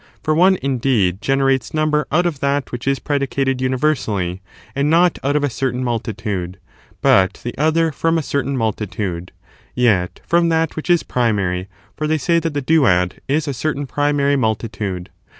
For one, indeed, generates number out of that which is pre dicated universally, and not out of a certain multitude ; but the other from a certain multitude — ^yet from that which is primary : for they say that the duad is a certain primary multitude.